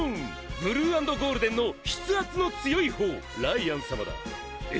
ブルー＆ゴールデンの筆圧の強いほうライアン様だ！え